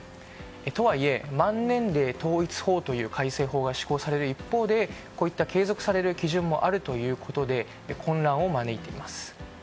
とはいえ満年齢統一法という改正法が施行される一方でこういった継続される基準もあるということで混乱を招いています。